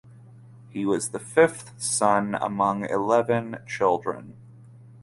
He was the fifth son among eleven children.